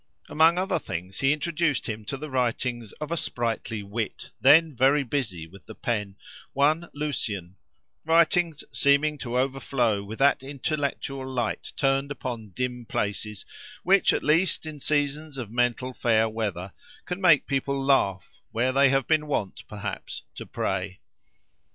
Among other things he introduced him to the writings of a sprightly wit, then very busy with the pen, one Lucian—writings seeming to overflow with that intellectual light turned upon dim places, which, at least in seasons of mental fair weather, can make people laugh where they have been wont, perhaps, to pray.